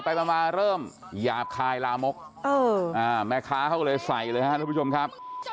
ไปมาเริ่มหยาบคายลามกแม่ค้าเขาก็เลยใส่เลยครับทุกผู้ชมครับ